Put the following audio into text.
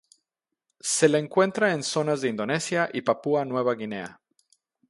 Se la encuentra en zonas de Indonesia y Papúa Nueva Guinea.